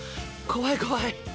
怖い怖い。